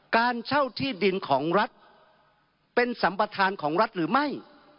การเช่าที่ดินของรัฐเป็นสัมประธานของรัฐหรือไม่